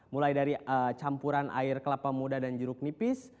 mulai dari campuran air kelapa muda dan jeruk nipis